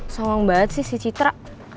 samang banget sih si citra